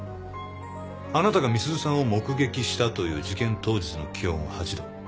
あなたが美鈴さんを目撃したという事件当日の気温は８度。